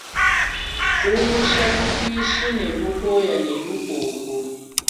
Kumusha lupuishi ne bukoya ne lukombo.